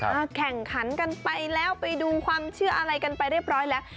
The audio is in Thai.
แข่งขันกันไปแล้วไปดูความเชื่ออะไรกันไปเรียบร้อยแล้ว